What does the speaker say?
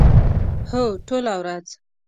هو، ټوله ورځ